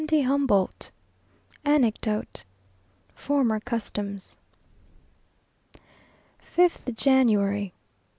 de Humboldt Anecdote Former Customs. 5th January.